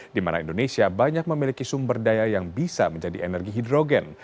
di mana indonesia banyak memiliki sumber daya yang bisa menjadi energi hidrogen